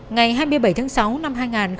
ngày hai mươi bảy tháng sáu năm hai nghìn một mươi một